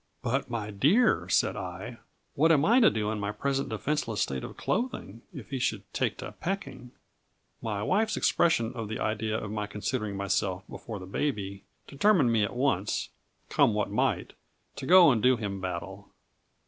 "But, my dear," said I, "what am I to do in my present defenceless state of clothing, if he should take to pecking?" My wife's expression of the idea of my considering myself before the baby, determined me at once, come what might, to go and do him battle.